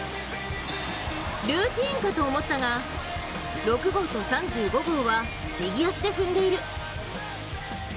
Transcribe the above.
ルーティンかと思ったが６号と３５号は右足で踏んでいる。